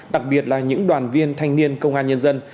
đặc biệt là những đoàn viên thanh niên công an nhân dân